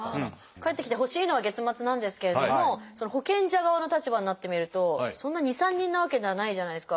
返ってきてほしいのは月末なんですけれども保険者側の立場になってみるとそんな２３人なわけじゃないじゃないですか